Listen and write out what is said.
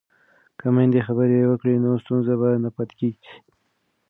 که میندې خبرې وکړي نو ستونزه به نه پاتې کېږي.